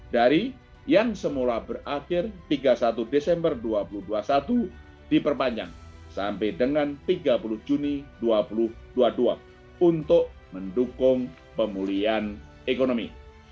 dari yang semula berakhir tiga puluh satu desember dua ribu dua puluh satu diperpanjang sampai dengan tiga puluh juni dua ribu dua puluh dua untuk mendukung pemulihan ekonomi